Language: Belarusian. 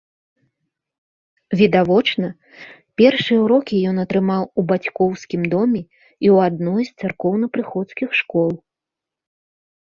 Відавочна, першыя ўрокі ён атрымаў у бацькоўскім доме і ў адной з царкоўна-прыходскіх школ.